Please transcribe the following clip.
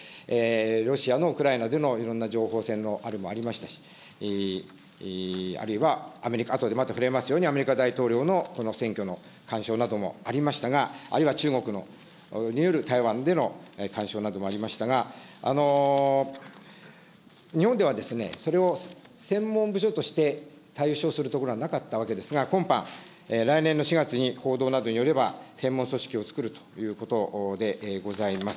ロシアのウクライナでのいろんな情報戦などもありましたし、あるいはアメリカ、あとでまた触れますように、アメリカ大統領の選挙の干渉などもありましたが、あるいは中国の、による、台湾での干渉などもありましたが、日本ではそれを専門部署として対処するところはなかったわけですが、今般、来年の４月に、報道などによれば、専門組織をつくるということでございます。